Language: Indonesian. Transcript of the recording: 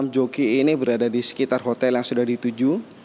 joki ini berada di sekitar hotel yang sudah dituju